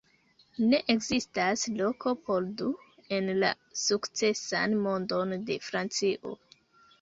Ne ekzistas loko por du en la sukcesan mondon de Francio".